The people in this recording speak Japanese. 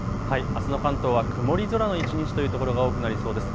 あすの関東は曇り空の一日というところが多くなりそうです。